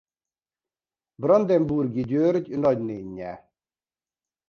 Brandenburgi György nagynénje.